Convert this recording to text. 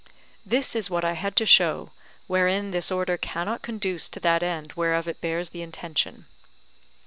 This is what I had to show, wherein this Order cannot conduce to that end whereof it bears the intention.